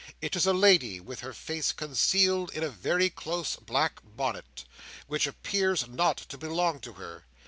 It is a lady with her face concealed in a very close black bonnet, which appears not to belong to her.